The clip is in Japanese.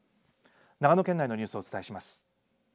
長野県のニュースをお伝えします。